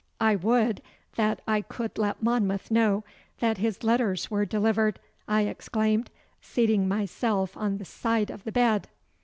'I would that I could let Monmouth know that his letters were delivered,' I exclaimed, seating myself on the side of the bed.